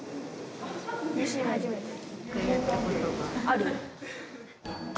ある？